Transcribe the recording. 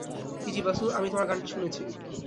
Keiji Basu, আমি তোমার গানটা শুনেছি।